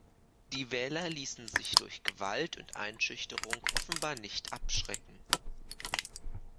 Die Wähler ließen sich durch Gewalt und Einschüchterung offenbar nicht abschrecken.